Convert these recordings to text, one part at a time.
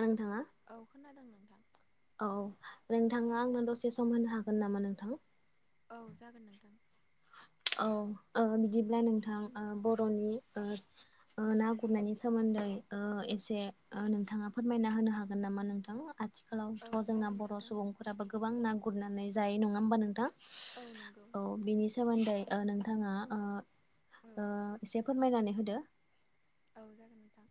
नोंथाङा औ खोनादों नोंथां औ नोंथाङा आंनो दसे सम होनो हागोन नामा नोंथां औ जागोन नोंथां औ ओ बिदिब्ला नोंथां ओ बर'नि ओ ओ ना गुरनायनि सोमोन्दै ओ एसे ओ नोंथाङा फोरमायना होनो हागोन नामा नोंथां आथिख औ आगोखोलावथ' जोंना जागोन बर' नोंथां सुबुंफोराबो गोबां ना गुरनानै जायो नङा होमबा नोंथां औ नंगौ दै ओ नोंथाङा ओ औ एसे फोरमायनानै होदो औ जागोन नोंथां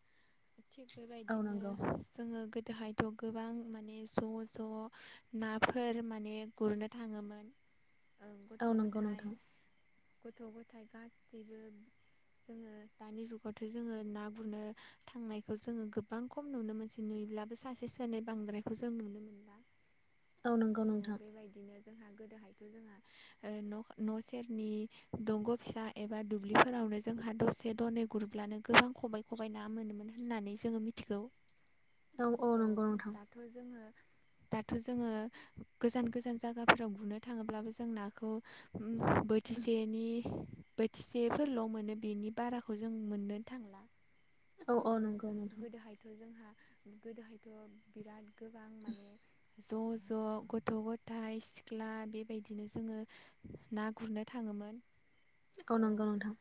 थिग औ बेबायदिनो नंगौ जोङो दहायथ' गोबां माने ज' ज' नाफोर माने गुरनो थाङोमोन औ गथ' नंगौ गथायाइ नोंथां गथ' गथाय गासैबो जोङो दानि जुगाव जोङो ना गुरनो थांनायखौ जोङो गोबां खम नुनो मोनसै नुयोब्लाबो सासे सोनानै बांद्राय बेखौ जों नुनो मोनला औ नंगौ नोंथां जोंहा गोदोहायथ' जोंहा न' सेरनि दंग' फिसा एबा दुब्लिफोराव जोंहा दसे दनै ग्रुप अब्लानो गोबां खबाइ खबाइ ना मोनोमोन होननानै जोङो मिथिगौ औ औ नंगौ नंथां दाथ' जोङो दाथ' जोङो गोजान गोजान जागाफोराव गुनो थाङोब्लाबो जों नाखौ उम बोथिसेनि बोथिसेफोरल' मोनो बेनि बाराखौ जों मोननो थांला औ औ नंगौ नोंथां गोदोहायथ' जोंहा गोदोहायथ' बिराद गोबां माने [inaudible] ज' ज' गथ' गथाय सिख्ला बेबायदिनो जोङो ना गुरनो थाङो मोन औ नंगौ नोंथां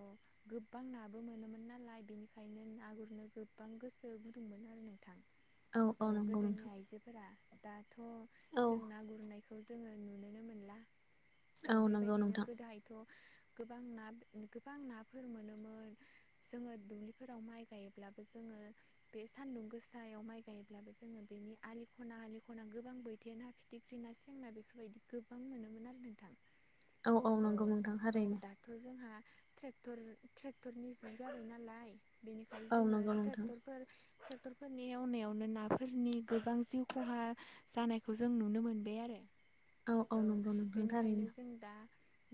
[inaudible] गोबां नाबो मोनोमोन नालाय बेनिखायनो ना गुरनो गोबां गोसो गुदुंमोन आरो औ गोदोनि आइजोफोरा दाथ' औ जों ना गुरनायखौ खौ जोङो नुुनोनो मोनला औ नंगौ बेबायदिनो नोंथां गोदोहायथ' गोबां ना गोबां नाफोर मोनोमोन जोङो दुब्लिफोराव माइ गायोब्लाबो जोङो बे सान्दुं गोसायाव माइ गायोब्लाबो जोङो बिनि आलि ख'ना आलि ख'ना गोबां बोथिया ना फिथिख्रि ना सेंना बेफोरबायदि गोबां मोनोमोन आरो नोंथां औ औ नंगौ नोंथां औ ओरैनो दाथ' जोंहा ट्रेक्टरनि जुग जाबाय नालाय बेनिखायनो औ जोङो नंगौ नोंथां ट्रेक्टरफोर ट्रेक्टरफोरनि एवनायावनो नाफोरनि गोबां जिउ खहा जानायखौ जों नुनो मोनबाय आरो औ नंगौ नोंथां बेनिखायनो थारैनो जों दा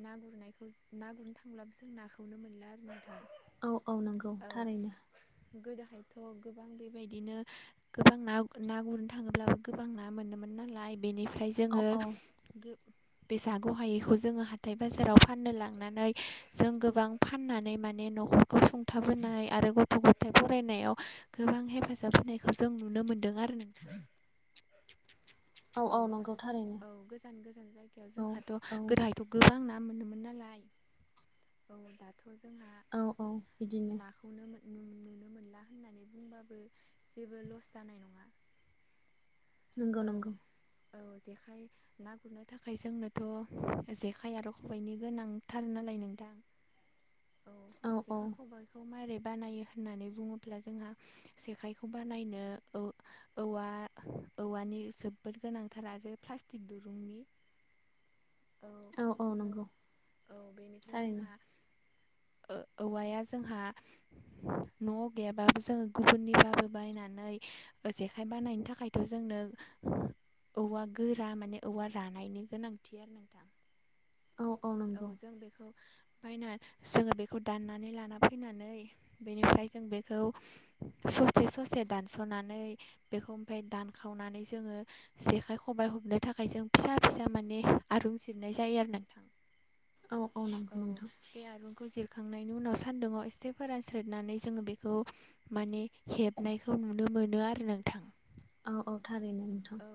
ना गुरनायखौ ना गुरनो थांब्लाबो जों नाखौनो मोनला आरो औ औ नंगौ औ थारैनो गोदोहायथ' गोबां बेबायदिनो गोबां ना ना गुरनो थाङोब्लाबो गोबां ना मोनोमोन नालाय बेनिफ्राय औ जोङो औ बे जाग' हायैखौ जोङो हाथाय बाजाराव फाननो लांनानै जों गोबां फाननानै माने न'खरखौ सुंथाबोनाय आरो गथ' ग'थाय फरायनायाव गोबां हेफाजाब होनायखौ जों नुनो मोनदों आरो नोंथा औ औ गोजान गोजान जायगायाव औ जोंहाथ' औ गोदायथ' गोबां न ना मोनोमोन नालाय औ दाथ' जोंहा औ औ बिदिनो नाखौनो मोन नुनो मोनला होननानै बुंबाबो जेबो लस जानाय नङा नंगौ औ नंगौ औ जेखाइ ना गुरनो थाखाय जोंनोथ' जेखाइ आरो खबाइनि गोनांथार नालाय नों थां। औ बेफोर औ औ जेखाय खबायाइखौ मोरै बानायो होननानै बुङोब्ला जोंहा जेखायखौ बानायनो औ-औवा औवानि जोबोद गोनांथार आरो प्लास्टिक दुरुंनि। औ औ नंगौ थारैनो ओ औवाया जोंहा न'आव गैयाबा जोङो गुबुननिबाबो बायनानै जेखाइ बानायनो थाखायथ' जोंनो औवा गोरा माने औवा रानायनि गोनांथि आरो नोंथां औ औ नंगौ जों बेखौ बायना जोङो बेखौ दाननानै लाना फैनानै बेनिफ्राय जों बेखौ ससे ससे दानस'नानै बेखौ ओमफ्राय दानखावनानै जोङो जेखाइ खबाइ हेबनो थाखाय जों फिसा फिसा माने आरुं जिरनाय जायो आरो नोंथां औ औ नंगौ नोंथां बे आरुंखौ जिरखांनाय बेनि उनाव सान्दुंङाव एसे फोरानस्रोदनानै जोङो बेखौ माने हेबनायखौ नुनो मोनो आरो नोंथां औ औ थारैनो नोंथां औ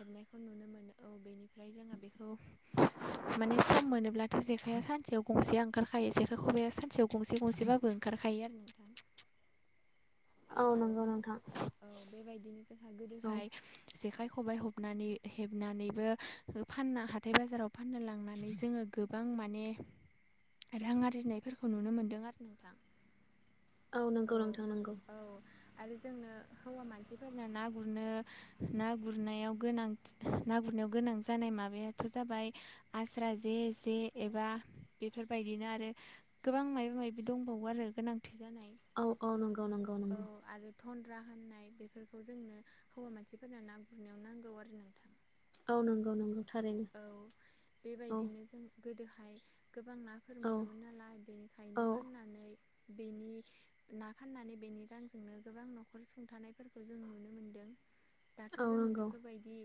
हेबनायखौ नुनो मोनो औ बेनि ओमफ्राय जोंहा बेखौ माने सम मोनोब्लाथ' जेखाइआ सानसेयाव गंसे आं ओंखारखायो जेखाइ खबाया सानसेयाव गंसे गंसेबाबो ओंखारखायो आरो औ नंगौ नोंथां औ बेबायदिनो जोंहा औ गोदोहाय जेखाइ खबाइ हेबनानै हेबनानैबो फानना हाथाय बाजाराव फाननो लांनानै जोङो गोबां मान माने रां आरजिनायफोरखौ नुनो मोन्दों आरो नोंथां औ नंगौ नोंथां नंगौ‌। औ आरो जोंनो हौवा मानसिफोरनो ना गुरनो ना गुरनायाव गोनां ना गुरनायाव गोनां जानाय माबायाथ' जाबाय आस्रा जे जे जे एबा बेफोरबायदिनो आरो गोबां माबा माबि दंबावो आरो गोनांथि जानाय औ औ नंगौ नंगौ नंगौ। धनन्द्रा होननाय बेफोरखौ जोंनो हौवा मानसिफोरनो ना गुरनायाव नांगौ आरो नोंथां औ नंगौ नंगौ थारैनो औ औ बेबायदिनो जों गोदोहाय गोबां नाफोर औ मोनोमोन नालाय बेनिखायनो औ फाननानै बेनि ना फाननानै बेनि रांजोंनो गोबां न'खर सुंथानायफोरखौ जों नुनो मोनदों दाथ' औ जोङो नंगौ बेफोरबायदि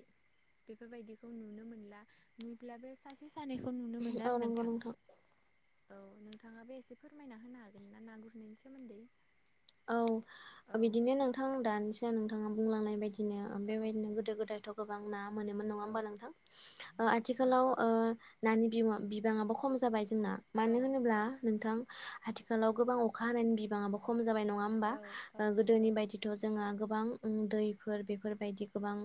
बेफोरबायदिखौ नुनो मोनला नैब्लाबो सासे सानैखौ नुनो मोनो औ आरो नंगौ नोंथां औ नोंथाङा बे एसे फोरमायना होनो हागोन ना ना गुरनायनि सोमोन्दै। औ औ बिदिनो नोंथां दानिसो नोंथाङा बुंलांनाय बायदि बिदिनो औ बेबायदिनो गोदो गोदायथ' गोबां ना मोनोमोन नङा औ होनबा नोंथां! ओ आथिखालाव ओ नानि बिबाङाबो खम जाबाय ना औ मानो होनोब्ला नोंथां आथिखालाव गोबां अखा हानायनि बिबाङा जाबाय नङा होमबा। औ औ नंगौ गोदोनि बायदि थ जोंहा- गोबां दैफोर बेफोरबायदि गोबां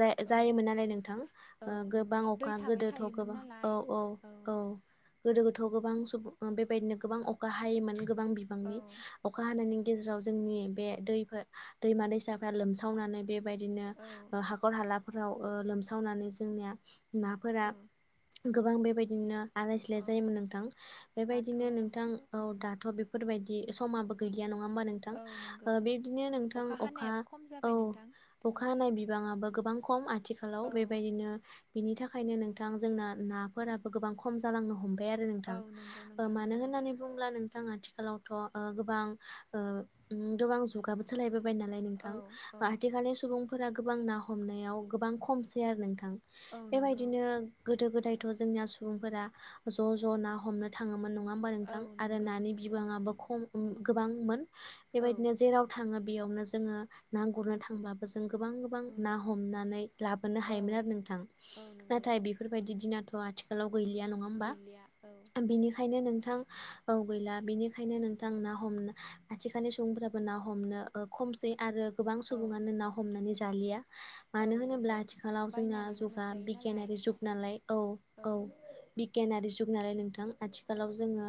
जा औ जायोमोन नालाय नोंथां औ गोबां नंगौ दै अखा थाबाय गोदोथ' थायोमोन गोबां औ नालाय औ औ गोदो गोदोथ' गोबां सुबुं बेबायदिनो गोबां अखा हायोमोन गोबां बिबांनि बेनि गेजेराव जोंनि बे दैफोर दैमा दैसाफोरा लोमसावनानै बे बेबायदिनो औ हाखर हालाफोराव ओ लोमसावनानै जोंनि नाफोरा औ गोबां बेबायदिनो आलाय सिलाय औ जायोमोन नोंथां दाथ' बेबायदिनो नोंथां औ उम दाथ' बेफोरबायदि समाबो गैया नङा होमबा नोंथां! औ नंगौ बेदिनो नोंथां अखा हानायाबो खम औ जाबाय नोंथां अखा हानाय बिबाङाबो गोबां खम आथिखालाव औ बेबायदिनो बिनि थाखायनो नोंथां जोंना नाफोराबो गोबां खम जालांनो हम बाय आरो औ नोंथां नंगौ नोंथां मानो नंगौ होननानै बुंङोब्ला नोंथां आथिखालावथ' ओ गोबां ओ उम गोबां जुगाबो सोलायबोबाय नालाय औ नोंथां औ बा आथिखालनि सुबुं फोरा गोबां ना हमनायाव गोबां खमसै आरो नोंथां औ नंगौ बेबायदिनो गोदो गोदायथ' ज जोंनिया सुबुंफोरा ज' ज' ना हमनो थाङो। मोन नङा होम्बा औ नोंथां आरो नंगौ नानि नंगौ बिबाङाबो खम उम गोबांमोन। औ बेबायदिनो जेराव थाङो बेयावनो जोङो ना गुरनो थांब्लाबो जों गोबां गोबां उम ना हमनानै लाबोनो औ हायोमोन आरो नोंथां औ नंगौ नाथाय बेफोरबायदि दिनाथ थ' आथिखालाव गैलिया नङा ओमबा गैलिया औ बिनिखायनो नोंथां औ गैला बिनिखायनो नोंथां ना ह हमनो आथिखालनि सुबुंफ्राबो ना हमनो ओ खमसै आरो गोबां औ सुबुङानो ना हमनानै जालिया। औ मानो होनोब्ला नंगौ आथिखालाव जोंना बायनानैनो जुगा मोनजायो नालाय बिगियानारि जुग नालाय औ औ बिगेयानारि जुग। नालाय नोंथां आथिखालाव जोङो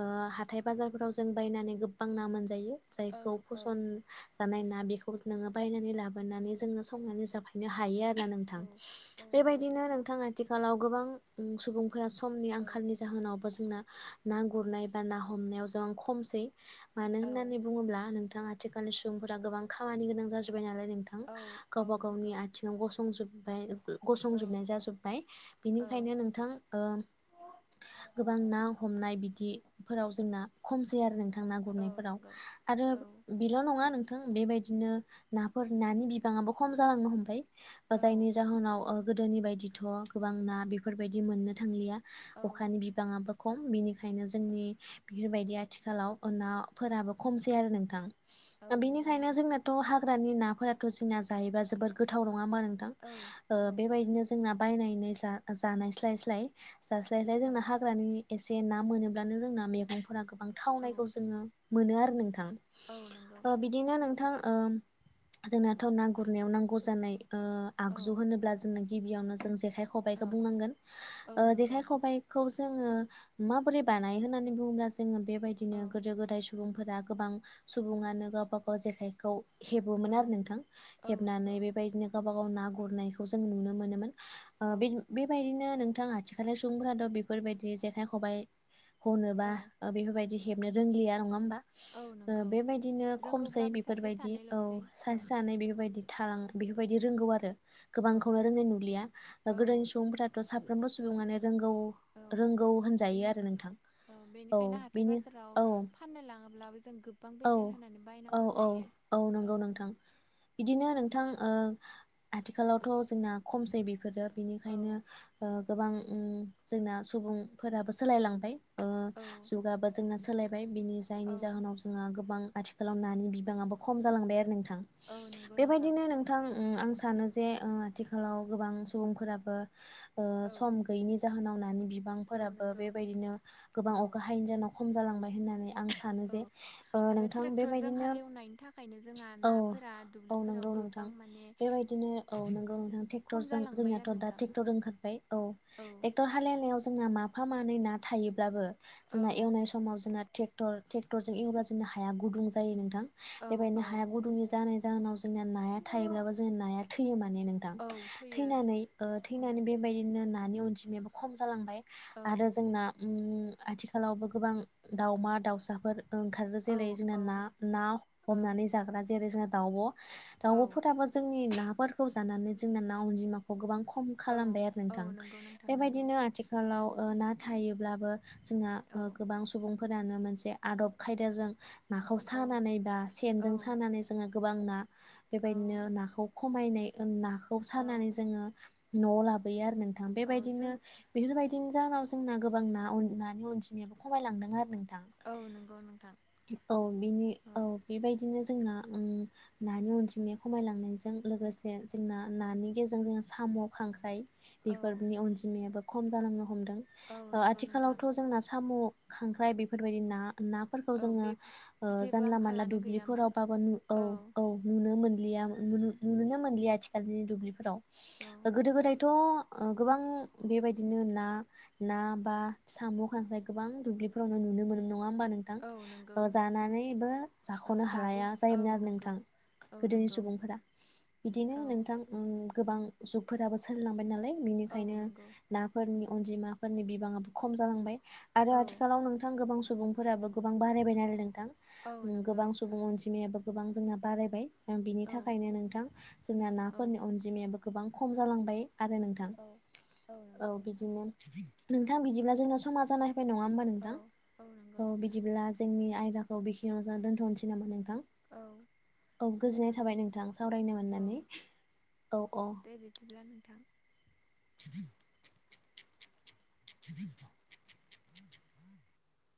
ओ हाथाय बाजारफोराव जों बायनानै गोबां ना मोनजायो। औ जायखौ औ फसन्द जानाय ना ना बेखौ नों बायनानै लाबोनानै जों संनानै जाफैनो हायो आरो ना नोंथां औ औ नंगौ बेबायदिनो नोंथां आथिखालाव गोबां उम सुबुं समनि औ आंखालनि जाहोनावबो जोंना ना गुरनाय बा ना हमनायाव जों खमसै। मानो औ होननानै बुङोब्ला नोंथां आथिखालनि सुबुंफोरा गोबां खामानि गोनां जाजोबाय नालाय। नोंथां औ औ गावबा गावनि नंगौ आथिङाव गसंजोबबाय औ गसंजु बनाय जाजोबबाय औ बिनिखायनो नोंथां गोबां ना हमनाय बिदि फोराव जोंना खमसै आरो नोंथा थां ना औ गुरनायफोराव नंगौ आरो औ बिल' नङा नों बेबायदिनो नाफोर नानि बिबाङाबो खम जानोंगो हमफाय औ जायनि जाहोनाव गोदोनि बायदिथ' गोबां ना बेफोरबायदि मोननो थांलिया अखानि औ बिबाङाबो खम बिनिखायनो जोंनि बेफोरबायदि आथिखालाव ओ नाफोराबो खमसै आरो नोंथां। ओ नंगौ बिनिखायनो नोंथां जोंनाथ' हाग्रानि नाफोराथ' जोंना जायोबा जबोद गोथाव न नङा ओमबा नोंथां औ ओ बेबायदिनो जोंना बायनायनै जा-जानायस्लाय स्लाय जास्लायस्लाय औ जोंना हाग्रानि एसे ना मोनोब्लानो जोंना मैगंफोरा गोबां औ थावनायखौ जोङो मोनो आरो नोंथां औ नंगौ ओ बिदिनो नोंथां ओम जोंनाथ' ना गुरनायाव नांगौ जानाय ओ औ आगजु होनोब्ला जोंनो गिबियावनो जों जेखाय औ खबायखो बुंनांगोन औ ओ नंगौ जेखाय खबायखौज जोङो माबैरै बानायो होननानै बुङोब्ला जौङो बे बायदिनो औ गोदो गोदाय स सुबुंफोरा गोबां सुबुङानो गावबा गाव जेखायखौ औ हेबोमोन आरो नोंथां औ हेबनानै नंगौ बेबायदिनो गाबा गाव ना गुरनायखौ जों नुनो मोनोमोन। ओ औ बे बेबायदिनो नोंथां आथिखालाव सुबुंफोराथ' बेफोरबायदि जेखाइ खबायाइ हनोबा औ ओ बेफोरबायदि हेबनो रोंलिया नङा ओमबा? औ ओ नंगौ बेबायदिनो खमसै रोंगौब्लाबो सासे बेफोरबायदि औ सानैल'सै औ सासे सानै बेफोरबायदि थालां बेफोरबायदि रोंगौ आरो औ गोबांखौनो रोंनाय नुलिया ओ औ गोदोनि सुबुंफोराथ' साफ्रोमबो सुबुङानो रोंगौ औ रोंगौ होनजायो बेनि आरो नोंथां औ बेनो बाजाराव औ फाननो लाङोब्लाबो जों गोबां औ बेसेन होनानै औ बायनांगौ औ जायो औ नंगौ नोंथां बिदिनो नोंथां ओ आथिखालावथ' जोंना खमसै बेफोरो औ बिनिखायनो ओ गोबां उम जोंना सुबुंफोराबो सोलायलांबाय ओ औ जुगाबो जोंना फाय बिनि जायनि औ जाहोनाव जोंहा गोबां आथिखालाव नानि बिबाङाबो खम जालांबाय आरो नोंथां। औ नंगौ बेबायदिनो नोंथां उम आं सानो जे ओ आथिखालाव गोबां सुबुंफोराबो ओ औ सम गैयैनि ज जाहोनाव नानि औ बिबांफोराबो नंगौ बेबायदिनो गोबां औ अखा हायिनि जाहोनाव खम जालांबाय होननानै आं सानो जे औ ओ आरो नोंथां ट्रेक्टरजों बेबायदिनो हालेवनाय थाखायनो जोंहा औ नाफोरा दुब्लिफोराव गोबां माने बायदिनो औ नोंगौ नोंथां खम टेक्टरजों जालांबाय आरो जोंनियाथ' दा नोंथां टेक्टर ओंखारबाय औ टेक्टर हालेनि ओ जोंना माफा मानै ना थायोब्लाबो औ जोंना एवनाय समाव जोंना टेक्टर टे कटरजों एवब्ला जोंना हाया गुदुं जायो नोंथां औ औ बेबायदिनो हाया गुदुंनि जानाय जाहोनाव जोंनिया नाया थायोब्लाबो जोंनि नाया थैयोमा माने नोंथां औ थैयो थैनानै ओ औ थैनानै बेबायदिनो नानि अनजिमायाबो खम जालांबाय। औ आरो जोंना उम आथिखालावबो गोबां दाउमा दाउसाफोर ओंखारदो औ जेरै जोंना औ ना ना हमनानै जाग्रा जेरै जोंङा दावब'। औ दाउबफोराबो जोंनि नाफोरखौ जानानै जोंना ना अनजिमाखौ गोबां खम औ खालामबाय आरो औ नोंथां नंगौ नोंथां नंगौ बेबायदिनो आथिखालाव ओ ना थायो ब्लाबो जोंहा ओ औ गोबां सुबुंफोरानो मोनसे आदब खायदाजों नाखौ औ सानानै बा सेनजों औ सानानै जोङो गोबां ना औ बेबायदिनो नाखौ खमायनाय ओन नाखौ औ सानानै जोङो न'आव लाबोयो आरो नोंथां औ जों बेबायदिनो बेफोरबायदिनो जाउनाव जोंना गोबां ना अन नानि अनजिमायाबो खमायलांदों आरो नों। औ नंगौ नोंथां। औ बिनि औ बेबायदिनो जों ना ओं नानि अनजिमया खमाय लांनायजों लोगोसे जोंना नानि गेज जों जोङो साम' खांख्राय औ बेफोरनि अनजिमायाबो खम जालांनो हमदों औ ओ नंगौ नोंथां आथिखालावथ' जोंना साम' खांख्राय बेफोरबायदि ना ना फरखौ औ जोंङो बे ओ जेबो जानला मानला आंखालानो गैयामोन दुब्लिफोरावबाबो औ औ नुनो मोन लिया नु-नु-नुनोनो मोनलिया आथिखालनि दुब्लिफोराव औ ओ गोदो गोदायथ' ओ गोबां बेबायदिनो ना ना बा सामु खांख्राय गोबां दुब्लिफोरावनो नु नो मोनोम नङा होनबा नों थां औ नंगौ ओ जानानै बो औ जाख'नो जाग' हालाया औ जायोमोन आरो नंगौ नोंथां। औ गोदोनि नंगौ सुबुंफोरा बिदिनो औ नोंथां उम गोबां जुगफोराबो सोलायलांबाय नालाय औ बिनिखायनो नंगौ नाफोरनि अनजिमाफोरनि बिबाङाबो खम जालांबाय आरो औ आथिखालाव नोंथां गोबां सुबुंफोराबो गोबां बारायबाय नालाय नोंथां औ उम नंगौ गोबां सुबुं अनजिमायाबो गोबां जोंना बारायबाय। बिनि औ थाखायनो नोंथां जोंना औ नाफोरनि अनजिमायाबो गोबां खम जालांबाय। आरो नोंथां औ औ नंगौ नोंथां बिदिनो नोंथां बिदिब्ला जोंना समा जानाय नङा हबा औ नोंथां नंगौ औ नोंथां बिदिब्ला जोंनि आयदा औ बिखिनियावनो जा दोन्थ'नोसै नामा नोंथां? औ औ गोजोन्नाय नोंथां थाबाय नोंथां सावरायनो मोन्नानै औ औ। अब्ला नोंथां। [inaudible] [inaudible]